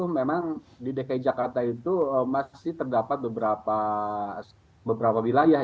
memang di dki jakarta itu masih terdapat beberapa wilayah